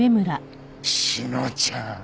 志乃ちゃん